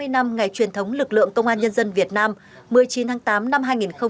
bảy mươi năm ngày truyền thống lực lượng công an nhân dân việt nam một mươi chín tháng tám năm hai nghìn hai mươi ba